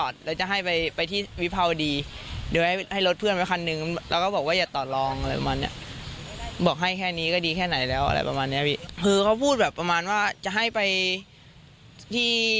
แค่ไหนแล้วอะไรประมาณเนี้ยพี่คือเขาพูดแบบประมาณว่าจะให้ไปที่